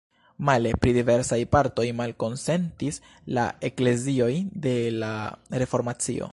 Male, pri diversaj partoj malkonsentis la eklezioj de la Reformacio.